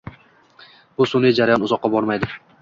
bu sun’iy jarayon uzoqqa bormaydi.